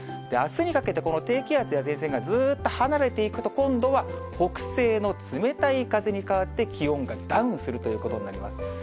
あすにかけてこの低気圧や前線がずっと離れていくと、今度は北西の冷たい風に変わって、気温がダウンするということになります。